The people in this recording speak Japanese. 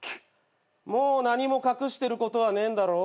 もう何も隠してることはねえんだろ？